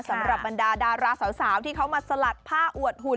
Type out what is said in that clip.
สำหรับปันดาสาวที่เขากำพันธุ์ที่มาสลัดป้าอวดหุ่น